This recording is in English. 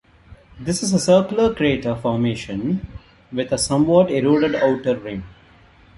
This is a circular crater formation with a somewhat eroded outer rim.